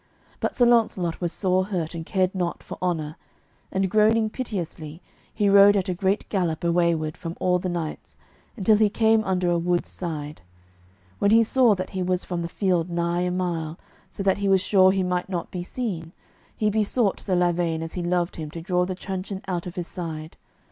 But Sir Launcelot was sore hurt, and cared not for honour; and groaning piteously, he rode at a great gallop away ward from all the knights, until he came under a wood's side. When he saw that he was from the field nigh a mile, so that he was sure he might not be seen, he besought Sir Lavaine as he loved him to draw the truncheon out of his side.